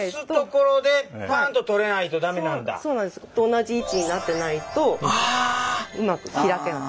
同じ位置になってないとうまく開けない。